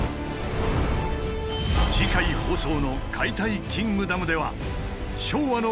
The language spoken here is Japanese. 次回放送の「解体キングダム」では昭和の